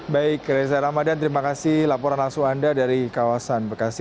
baik reza ramadan terima kasih laporan langsung anda dari kawasan bekasi